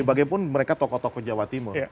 bagaimanapun mereka tokoh tokoh jawa timur